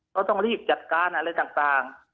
ต้องรีบจัดการอะไรต่าง